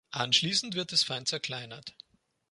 Anschließend wird es fein zerkleinert.